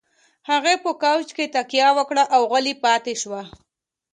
هغې په کاوچ کې تکيه وکړه او غلې پاتې شوه.